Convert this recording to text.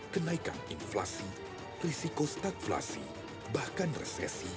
kenaikan inflasi risiko stakulasi bahkan resesi